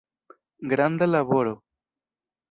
Granda laboro.